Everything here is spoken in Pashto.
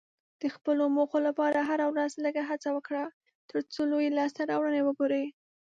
د خپلو موخو لپاره هره ورځ لږه هڅه وکړه، ترڅو لویې لاسته راوړنې وګورې.